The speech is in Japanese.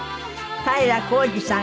平浩二さん